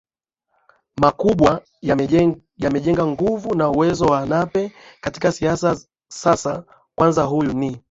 makubwa yanajenga nguvu na uwezo wa Nape katika siasa za sasa Kwanza huyu ni